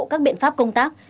các biện pháp công tác